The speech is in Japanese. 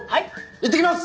いってきます！